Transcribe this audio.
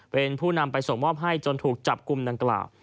เป็นผู้นำไปส่งมอบให้จนถูกจับกลุ่มดังกล่าว